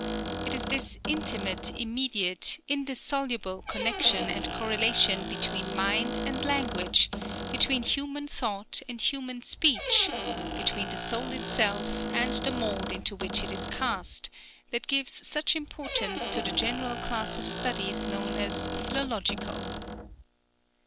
It is this intimate, immediate, indissoluble connection and correlation between mind and language, between human thought and human speech, between the soul itself and the mould into which it is cast, that gives such importance to the general class of studies known as philological.